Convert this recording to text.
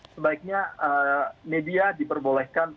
sebaiknya media diperbolehkan